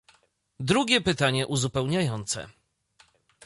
Drugie pytanie uzupełniające